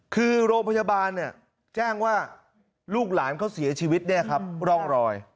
คือโรงพยาบาลเนี่ยแจ้งว่าลูกหลานเขาเสียชีวิตเนี่ยครับร่องรอย